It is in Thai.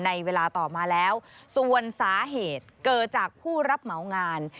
ในเวลาต่อมาแล้วส่วนสาเหตุเกิดจากผู้รับเหมางาน